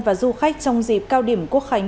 và du khách trong dịp cao điểm quốc khánh